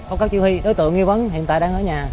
ông các chiêu hy đối tượng nghi vấn hiện tại đang ở nhà